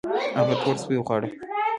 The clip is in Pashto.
هغه تور سپي وخواړه